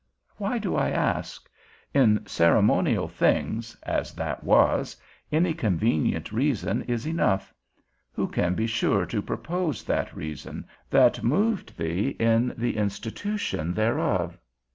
Why do I ask? In ceremonial things (as that was) any convenient reason is enough; who can be sure to propose that reason, that moved thee in the institution thereof?